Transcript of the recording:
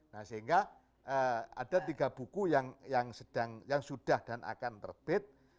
nah sehingga ada tiga buku yang sudah dan akan terbit